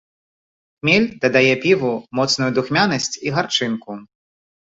Хмель дадае піву моцную духмянасць і гарчынку.